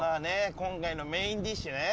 今回のメーンディッシュね。